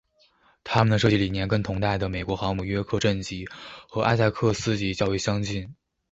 它们的设计理念跟同代的美国航母约克镇级和艾塞克斯级较为相近。